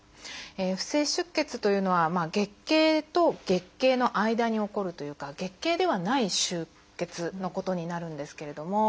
不正出血というのは月経と月経の間に起こるというか月経ではない出血のことになるんですけれども。